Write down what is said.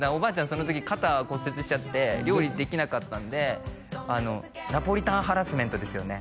その時肩骨折しちゃって料理できなかったんでナポリタンハラスメントですよね